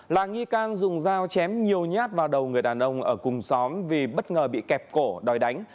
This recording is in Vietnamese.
là nghi can dùng dao chém nhiều nhát vào đầu người đàn ông ở cùng xóm vì bất ngờ bị kẹp cổ đòi đánh